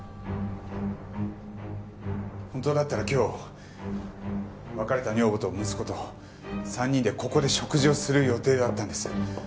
本当だったら今日別れた女房と息子と３人でここで食事をする予定だったんです。